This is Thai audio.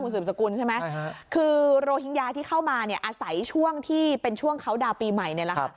สืบสกุลใช่ไหมคือโรฮิงญาที่เข้ามาเนี่ยอาศัยช่วงที่เป็นช่วงเขาดาวน์ปีใหม่เนี่ยแหละค่ะ